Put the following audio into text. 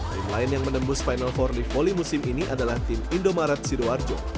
lain lain yang menembus final four di voli musim ini adalah tim indomaret sidoarjo